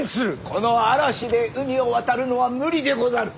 この嵐で海を渡るのは無理でござる。